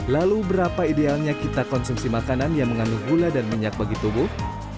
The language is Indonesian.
lalu berapa idealnya kita konsumsi makanan yang mengandung gula dan minyak bagi tubuh